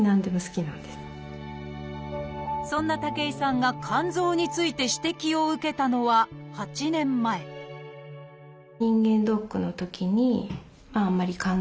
そんな武井さんが肝臓について指摘を受けたのは８年前武井さんは専門医を受診。